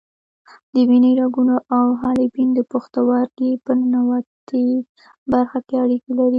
د وینې رګونه او حالبین د پښتورګي په ننوتي برخه کې اړیکې لري.